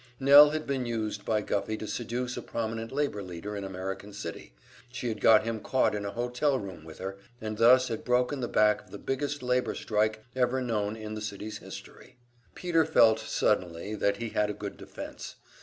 Nell had been used by Guffey to seduce a prominent labor leader in American City; she had got him caught in a hotel room with her, and thus had broken the back of the biggest labor strike ever known in the city's history. Peter felt suddenly that he had a good defense.